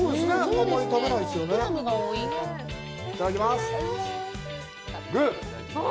いただきます。